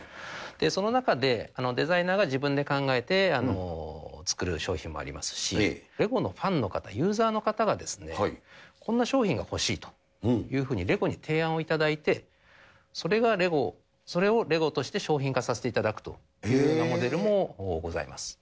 その中で、デザイナーが自分で考えて作る商品もありますし、レゴのファンの方、ユーザーの方が、こんな商品が欲しいというふうにレゴに提案を頂いて、それをレゴとして商品化させていただくというようなモデルもございます。